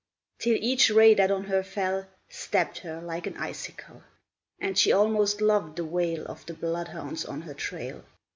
Till each ray that on her fell Stabbed her like an icicle, And she almost loved the wail Of the bloodhounds on her trail.